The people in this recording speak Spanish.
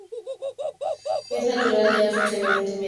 Es natural de África y Oriente Medio.